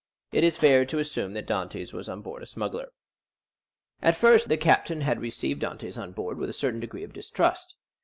It is fair to assume that Dantès was on board a smuggler. At first the captain had received Dantès on board with a certain degree of distrust.